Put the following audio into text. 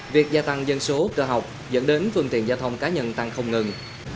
việc gia tăng dân số cơ học dẫn đến phương tiện giao thông cá nhân tăng không ngừng